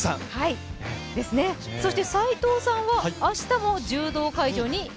斎藤さんは明日も柔道会場に？